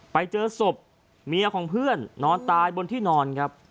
ไปเจอศพเมียของเพื่อนนอนตายบนที่นอนครับ